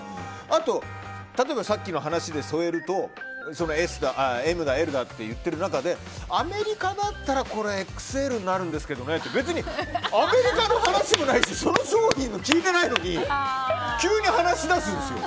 あと例えばさっきの話で添えるとＭだ、Ｌだって言ってる中でアメリカだったらこれはＸＬになるんですよねとか別にアメリカの話でもないしその商品のことも聞いてないのに急に話し出すんですよ。